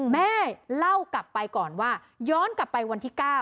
แม่เล่ากลับไปก่อนว่าย้อนกลับไปวันที่๙